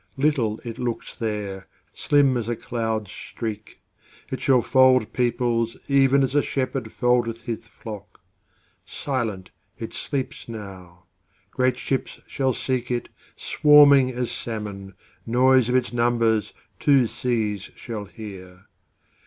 Little it looks there, Slim as a cloud streak; It shall fold peoplesEven as a shepherdFoldeth his flock. Silent it sleeps now; Great ships shall seek it, Swarming as salmon; Noise of its numbersTwo seas shall hear.